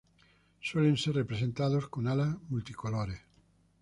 Suelen ser representados con alas multicolores.